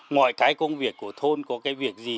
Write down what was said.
ngoài cái công việc của thôn có cái việc gì